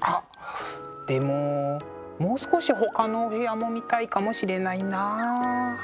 あっでももう少しほかのお部屋も見たいかもしれないな。